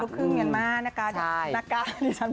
น้องมิมี่นางงามลูกคู่ที่ไทยรัก